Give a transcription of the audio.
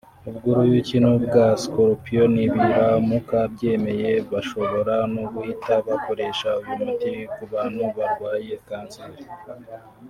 ubw’uruyuki n’ubwa scorpion; nibiramuka byemeye bashobora no guhita bakoresha uyu muti ku bantu barwaye cancer